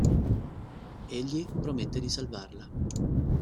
Egli promette di salvarla.